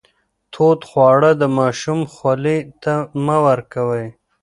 تود خواړه د ماشوم خولې ته مه ورکوئ.